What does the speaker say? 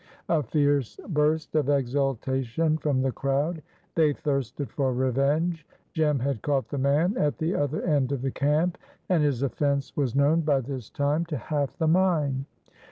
A fierce burst of exultation from the crowd. They thirsted for revenge. Jem had caught the man at the other end of the camp, and his offense was known by this time to half the mine.